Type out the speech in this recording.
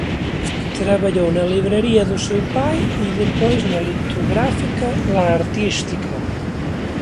Traballou na librería do seu pai e despois na litográfica La Artística.